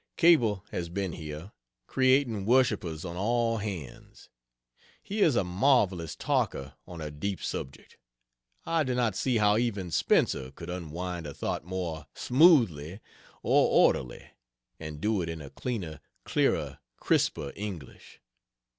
Cable has been here, creating worshipers on all hands. He is a marvelous talker on a deep subject. I do not see how even Spencer could unwind a thought more smoothly or orderly, and do it in a cleaner, clearer, crisper English.